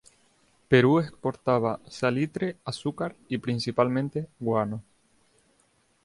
Perú exportaba salitre, azúcar y principalmente, guano.